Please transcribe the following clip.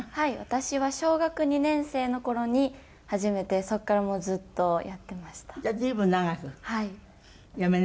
私は小学２年生の頃に始めてそこからもうずっとやってました。